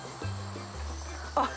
あっ